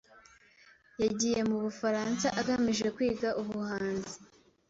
Yagiye mu Bufaransa agamije kwiga ubuhanzi.